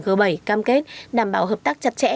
đều đồng ý cam kết đảm bảo hợp tác chặt chẽ